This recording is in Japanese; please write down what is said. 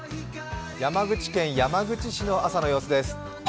山口県山口市の朝の様子です。